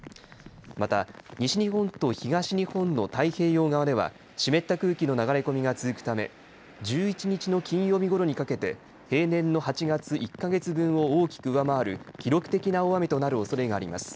また西日本と東日本の太平洋側では湿った空気の流れ込みが続くため１１日の金曜日ごろにかけて平年の８月１か月分を大きく上回る記録的な大雨となるおそれがあります。